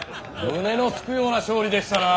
胸のすくような勝利でしたな。